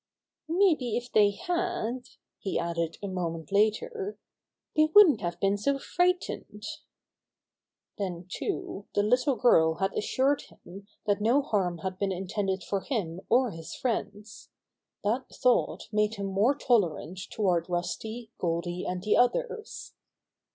"Maybe if they had," he added a moment later, "they wouldn't have been so fright ened." Then, too, the little girl had assured him that no harm had been intended for him or his friends. That thought made him more tolerant toward Rusty, Goldy and the others.